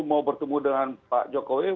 mau bertemu dengan pak jokowi